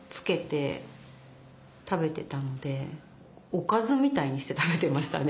おかずみたいにして食べてましたね。